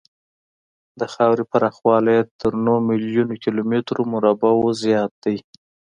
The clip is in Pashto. د خاورې پراخوالی یې تر نهو میلیونو کیلومترو مربعو زیات دی.